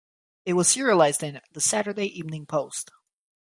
It was serialized in "The Saturday Evening Post".